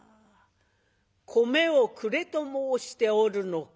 「米をくれと申しておるのか？」。